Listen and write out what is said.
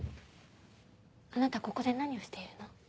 あなたここで何をしているの？